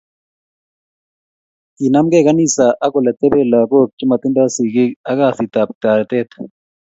Kinamke kanisa ak oletepee lakok chi matindo sigig ak kasit ab taretet